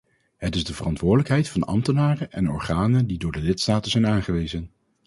Het is de verantwoordelijkheid van ambtenaren en organen die door de lidstaten zijn aangewezen.